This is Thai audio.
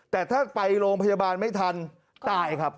แต่ถ้าไปโรงพยาบาลไม่ทันตายครับ